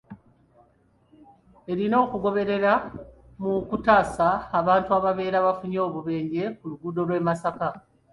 Erina okugoberera mu kutaasa abantu ababeera bafunye obubenje ku luguudo lw'e Masaka